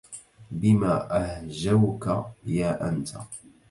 بما أهجوك يا أنت